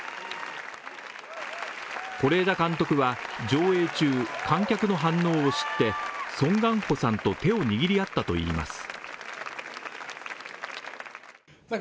是枝監督は上映中、観客の反応を知って、ソン・ガンホさんと手を握り合ったといいます。